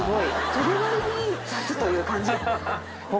それなりに雑という感じ。